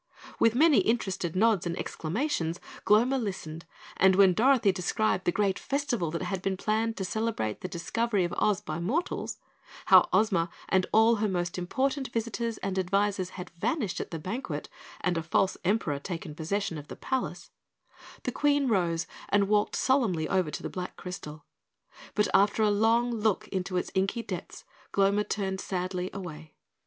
With many interested nods and exclamations Gloma listened, and when Dorothy described the great festival that had been planned to celebrate the discovery of Oz by mortals, how Ozma and all her most important visitors and advisers had vanished at the banquet, and a false Emperor taken possession of the palace, the Queen rose and walked solemnly over to the black crystal. But after a long look into its inky depths, Gloma turned sadly away.